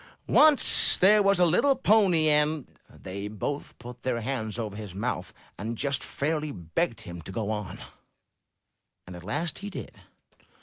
Once there was a little Pony En —" They both put their hands over his mouth, and just fairly begged him to go on, and at last he did.